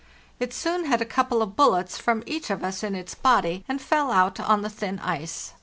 It soon had a couple of bullets from each of us in its body, and fell out on the thin ice.